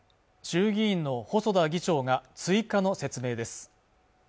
衆議院の細田議長が追加の説明です